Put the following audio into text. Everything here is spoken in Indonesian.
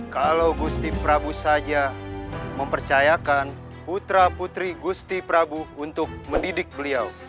kalau gusti prabu saja mempercayakan putra putri gusti prabu untuk mendidik beliau